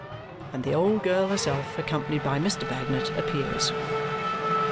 and the old girl herself, accompanied by Mr. Bagnet, appears.